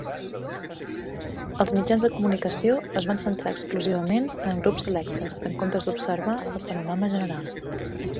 Els mitjans de comunicació es van centrar exclusivament en grups selectes en comptes d'observar el panorama general.